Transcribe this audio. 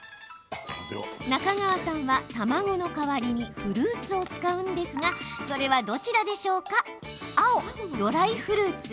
中川さんは、卵の代わりにフルーツを使うんですがそれはどちらでしょうか？